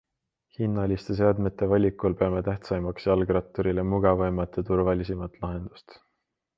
Hinnaliste seadmete valikul peame tähtsaimaks jalgratturile mugavaimat ja turvalisimat lahendust.